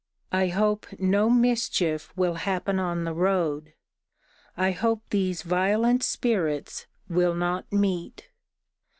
I hope no mischief will happen on the road. I hope these violent spirits will not meet.